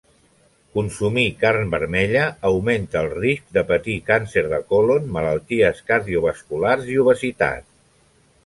Consumir carn vermella augmenta el risc de patir càncer de còlon, malalties cardiovasculars i obesitat.